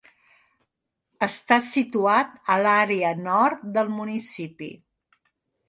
Està situat a l'àrea nord del municipi.